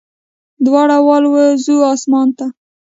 دواړه والوزو اسمان ته